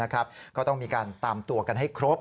ก็ต้องมีการตามตัวกันให้ครบ